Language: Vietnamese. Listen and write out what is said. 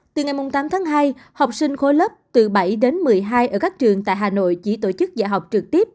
từ ngày tám tháng hai học sinh khối lớp từ bảy đến một mươi hai ở các trường tại hà nội chỉ tổ chức dạy học trực tiếp